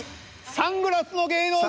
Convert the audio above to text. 「サングラスの芸能人」。